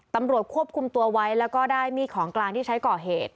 ตำรวจควบคุมตัวไว้แล้วก็ได้มีดของกลางที่ใช้ก่อเหตุ